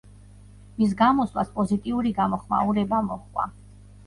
მის გამოსვლას პოზიტიური გამოხმაურება მოჰყვა.